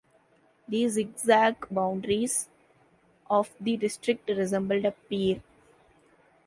The zigzag boundaries of the District resemble a pear.